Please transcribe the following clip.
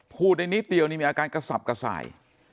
พูดได้นิดเดียวนี่มีอาการกระสับกระส่าย